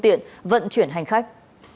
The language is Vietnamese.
tiện vận chuyển hành khách